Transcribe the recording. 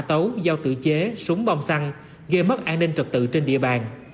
tấu giao tự chế súng bong xăng gây mất an ninh trật tự trên địa bàn